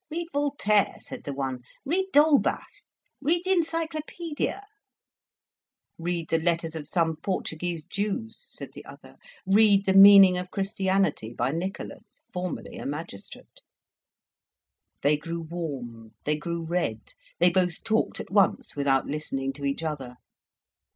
"Read Voltaire," said the one, "read D'Holbach, read the 'Encyclopaedia'!" "Read the 'Letters of some Portuguese Jews,'" said the other; "read 'The Meaning of Christianity,' by Nicolas, formerly a magistrate." They grew warm, they grew red, they both talked at once without listening to each other.